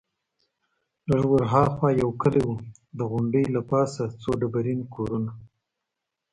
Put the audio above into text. لږ ورهاخوا یو کلی وو، د غونډۍ له پاسه څو ډبرین کورونه.